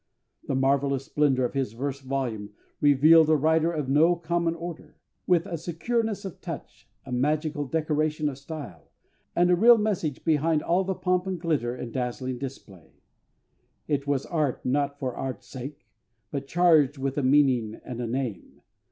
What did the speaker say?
The marvellous splendour of his first volume revealed a writer of no common order; with a secureness of touch, a magical decoration of style, and a real message behind all the pomp and glitter and dazzling display. It was art not for art's sake, but charged with a meaning and a name.